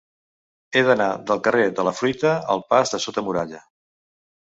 He d'anar del carrer de la Fruita al pas de Sota Muralla.